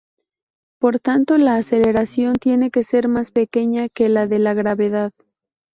Por tanto, la aceleración tiene que ser más pequeña que la de la gravedad.